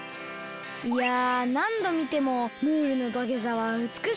いやなんどみてもムールの土下座はうつくしいな。